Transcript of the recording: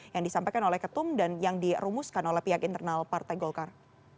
yang disampaikan oleh ketum dan yang dirumuskan oleh pihak internal partai golkar